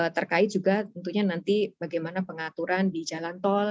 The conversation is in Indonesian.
terkait juga tentunya nanti bagaimana pengaturan di jalan tol